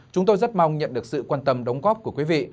chúng tôi rất mong nhận được sự quan tâm đóng góp của quý vị